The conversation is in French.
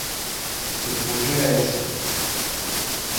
Ce projet a échoué.